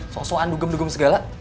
sosokan dugeng dugeng segala